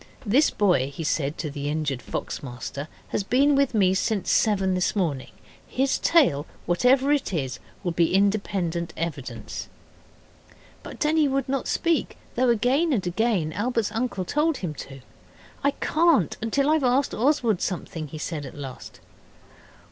This boy,' he said to the injured fox master, 'has been with me since seven this morning. His tale, whatever it is, will be independent evidence.' But Denny would not speak, though again and again Albert's uncle told him to. 'I can't till I've asked Oswald something,' he said at last.